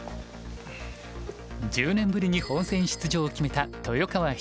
１０年ぶりに本戦出場を決めた豊川七段。